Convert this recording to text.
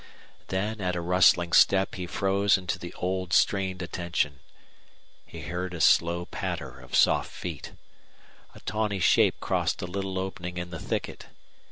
Then at a rustling step he froze into the old strained attention. He heard a slow patter of soft feet. A tawny shape crossed a little opening in the thicket.